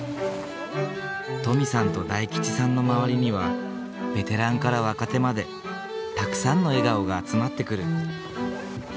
登美さんと大吉さんの周りにはベテランから若手までたくさんの笑顔が集まってくる。